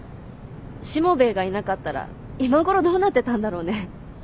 しもべえがいなかったら今頃どうなってたんだろうね。